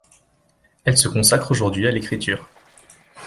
Elle se consacre aujourd'hui à l'écriture.